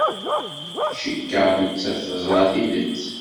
Cikkeɣ nettat teẓra tidet.